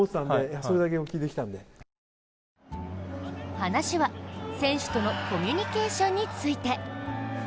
話は、選手とのコミュニケーションについて。